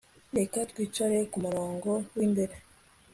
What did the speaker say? Reka twicare kumurongo wimbere